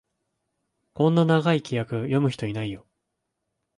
こんな長い規約、読む人いないよ